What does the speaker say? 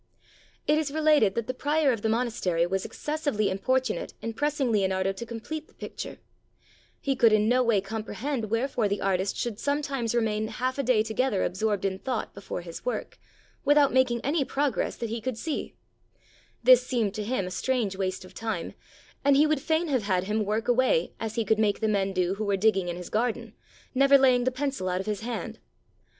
It is related that the Prior of the Monastery was ex cessively importunate in pressing Leonardo to complete the picture; he could in no way comprehend wherefore the artist should sometimes remain half a day together absorbed in thought before his work, without making any progress that he could see; this seemed to him a strange waste of time, and he would fain have had him work away as he could make the men do who were dig ging in his garden, never laying the pencil out of his hand.